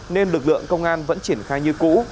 nên lực lượng công an vẫn triển khai như cũ